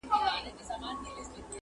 د وطن را باندي پروت یو لوی احسان دی,